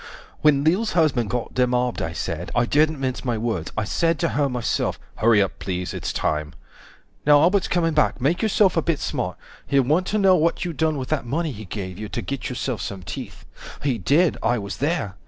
When Lil's husband got demobbed, I said, I didn't mince my words, I said to her myself, 140 HURRY UP PLEASE ITS TIME Now Albert's coming back, make yourself a bit smart. He'll want to know what you done with that money he gave you To get yourself some teeth. He did, I was there.